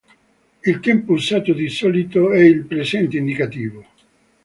Il tempo usato di solito è il presente indicativo.